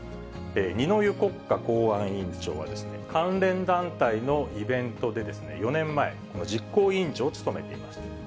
二之湯国家公安委員長は、関連団体のイベントで４年前、実行委員長を務めていました。